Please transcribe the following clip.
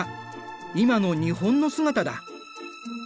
今の日本の姿だ。